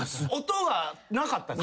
音がなかった。